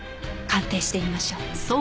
鑑定してみましょう。